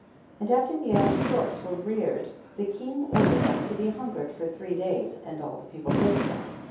19. And after the young storks were reared, the king ordered them to be hungered for three days, and all the people did so.